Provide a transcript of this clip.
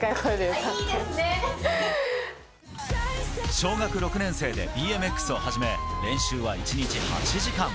小学６年生でＢＭＸを始め練習は１日８時間。